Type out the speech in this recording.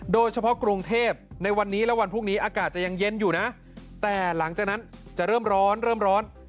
โดยเฉพาะกรุงเทพในวันนี้และวันพรุ่งนี้อากาศจะยังเย็นอยู่นะแต่หลังจากนั้นจะเริ่มร้อนเริ่มร้อน